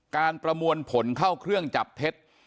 ประมวลผลเข้าเครื่องจับเท็จ